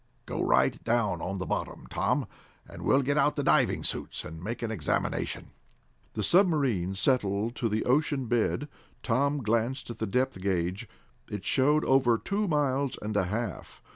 Go right down on the bottom, Tom, and we'll get out the diving suits and make an examination." The submarine settled to the ocean bed. Tom glanced at the depth gage. It showed over two miles and a half.